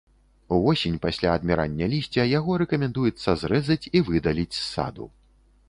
Увосень, пасля адмірання лісця, яго рэкамендуецца зрэзаць і выдаліць з саду.